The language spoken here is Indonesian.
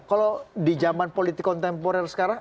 kalau di zaman politik kontemporer sekarang